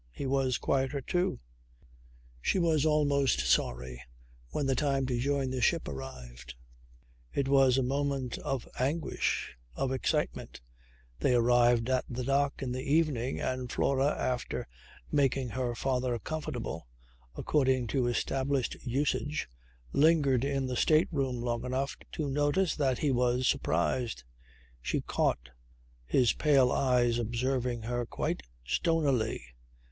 He was quieter too. She was almost sorry when the time to join the ship arrived. It was a moment of anguish, of excitement; they arrived at the dock in the evening and Flora after "making her father comfortable" according to established usage lingered in the state room long enough to notice that he was surprised. She caught his pale eyes observing her quite stonily.